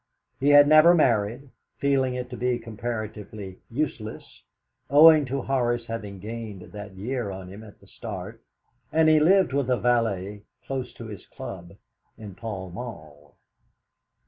He had never married, feeling it to be comparatively useless, owing to Horace having gained that year on him at the start, and he lived with a valet close to his club in Pall Mall.